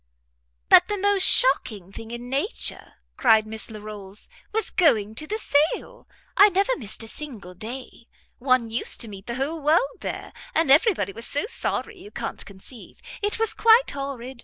"But the most shocking thing in nature," cried Miss Larolles, "was going to the sale. I never missed a single day. One used to meet the whole world there, and every body was so sorry you can't conceive. It was quite horrid.